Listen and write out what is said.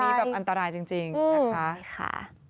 อันนี้แบบอันตรายจริงนะคะ